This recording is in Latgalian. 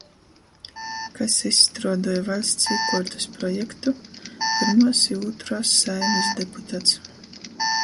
Kas izstruoduoj vaļsts īkuortys projektu, pyrmuos i ūtruos Saeimys deputats.